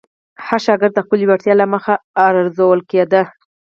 هر شاګرد د خپلې وړتیا له مخې ارزول کېده.